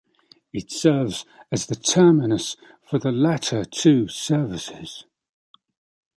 It serves as the terminus for the latter two services.